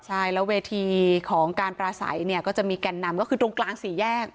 ใช่แล้วเวทีของการปราศัยเนี่ยก็จะมีแก่นนำก็คือตรงกลางสี่แยก